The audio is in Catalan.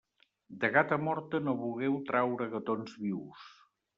De gata morta no vulgueu traure gatons vius.